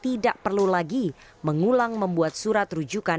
tidak perlu lagi mengulang membuat surat rujukan